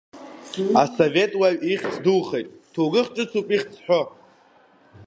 Асовет уаҩ ихьӡ духеит, ҭоурых ҿыцуп ихьӡ зҳәо!